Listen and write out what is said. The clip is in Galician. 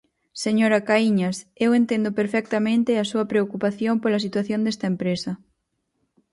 Señora Caíñas, eu entendo perfectamente a súa preocupación pola situación desta empresa.